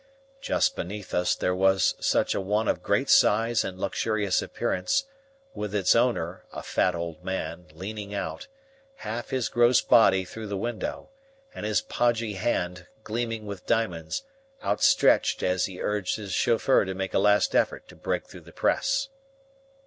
Just beneath us there was such a one of great size and luxurious appearance, with its owner, a fat old man, leaning out, half his gross body through the window, and his podgy hand, gleaming with diamonds, outstretched as he urged his chauffeur to make a last effort to break through the press.